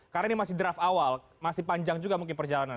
karena ini masih draft awal masih panjang juga mungkin perjalanan